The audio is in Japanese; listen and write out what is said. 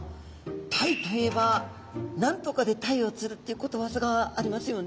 タイといえば「何とかで鯛を釣る」っていうことわざがありますよね。